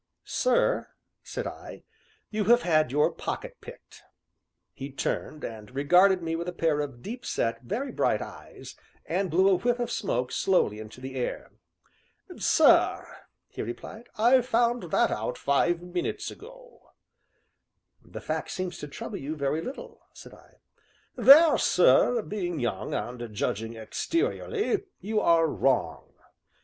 "Sir," said I, "you have had your pocket picked." He turned and regarded me with a pair of deep set, very bright eyes, and blew a whiff of smoke slowly into the air. "Sir," he replied, "I found that out five minutes ago." "The fact seems to trouble you very little," said I. "There, sir, being young, and judging exteriorly, you are wrong.